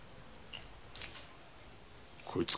えっ？